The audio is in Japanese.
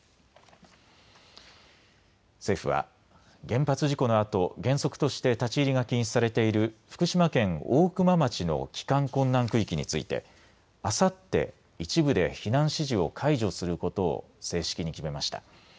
政府は原発事故のあと原則として立ち入りが禁止されている福島県大熊町の帰還困難区域についてあさって、一部で避難指示を解除することを正式に決めました。